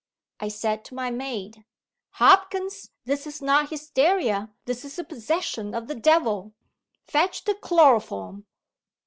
I said to my maid: 'Hopkins, this is not Hysteria. This is a possession of the devil. Fetch the chloroform.